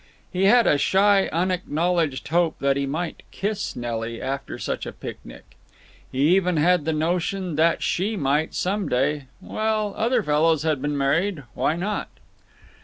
He had a shy unacknowledged hope that he might kiss Nelly after such a picnic; he even had the notion that he might some day—well, other fellows had been married; why not?